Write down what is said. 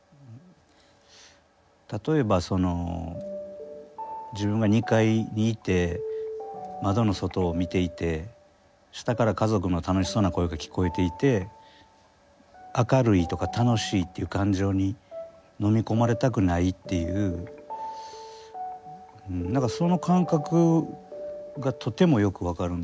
例えばその自分が２階にいて窓の外を見ていて下から家族の楽しそうな声が聞こえていて明るいとか楽しいっていう感情に飲み込まれたくないっていう何かその感覚がとてもよく分かるんですよね。